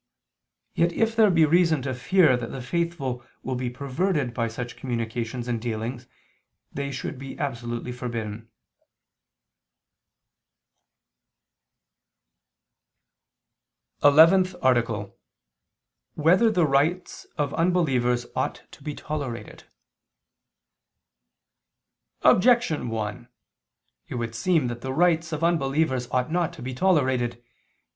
Yet, if there be reason to fear that the faithful will be perverted by such communications and dealings, they should be absolutely forbidden. _______________________ ELEVENTH ARTICLE [II II, Q. 10, Art. 11] Whether the Rites of Unbelievers Ought to Be Tolerated? Objection 1: It would seem that rites of unbelievers ought not to be tolerated.